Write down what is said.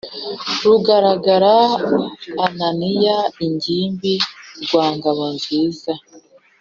rugaragara ahananiye ingimbi rwa ngabo nziza,